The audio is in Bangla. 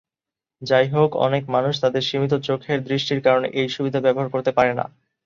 যাইহোক, অনেক মানুষ তাদের সীমিত চোখের দৃষ্টির কারণে এই সুবিধা ব্যবহার করতে পারে না।